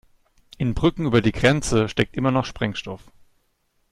In Brücken über die Grenze steckt immer noch Sprengstoff.